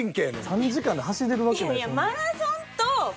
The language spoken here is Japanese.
３時間で走れるわけない。